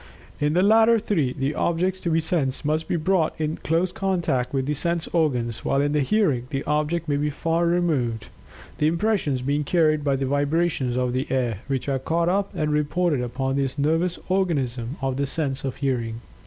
In the latter three the objects to be sensed must be brought in close contact with the sense organs, while in Hearing the object may be far removed, the impressions being carried by the vibrations of the air, which are caught up and reported upon by the nervous organism of the sense of Hearing.